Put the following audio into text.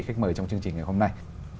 khách mời trong chương trình ngày hôm nay